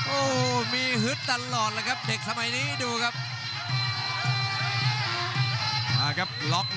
โอ้โหมีฮึดตลอดเลยครับเด็กสมัยนี้ดูครับ